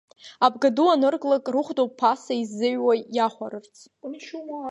Абгаду анырклак, рыхәдоуп ԥаса иззыҩуа иахәарырц.